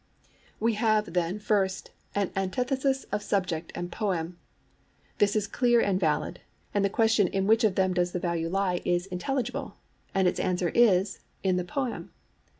We have then, first, an antithesis of subject and poem. This is clear and valid; and the question in which of them does the value lie is intelligible; and its answer is, In the poem.